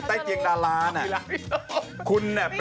แล้วช่างทำผม